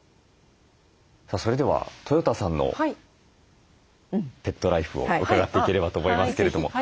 それではとよたさんのペットライフを伺っていければと思いますけれども。